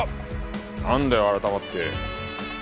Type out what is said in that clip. なんだよ改まって。